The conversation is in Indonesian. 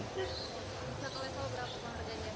bisa turun sampai berapa